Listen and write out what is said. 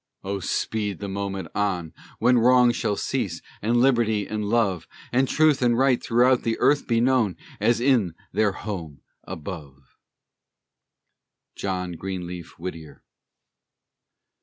Oh, speed the moment on When Wrong shall cease, and Liberty and Love And Truth and Right throughout the earth be known As in their home above. JOHN GREENLEAF WHITTIER.